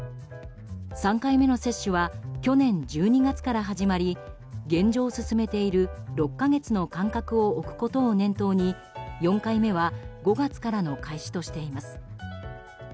３回目の接種は去年１２月から始まり現状進めている６か月の間隔を置くことを念頭に４回目は５月からの開始としています。